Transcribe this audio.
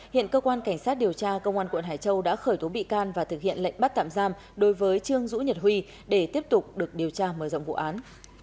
hiện cơ quan cảnh sát điều tra công an quận hải châu đã khởi tố bị can và thực hiện lệnh bắt tạm giam đối với trương dũ nhật huy để tiếp tục được điều tra mở rộng vụ án